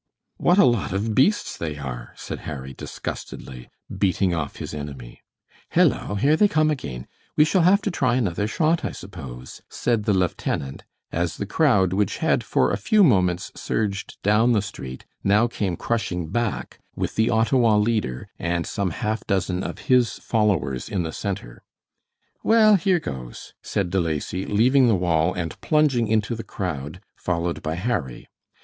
"What a lot of beasts they are!" said Harry, disgustedly, beating off his enemy. "Hello! Here they come again. We shall have to try another shot, I suppose," said the lieutenant, as the crowd, which had for a few moments surged down the street, now came crushing back, with the Ottawa leader, and some half dozen of his followers in the center. "Well, here goes," said De Lacy, leaving the wall and plunging into the crowd, followed by Harry.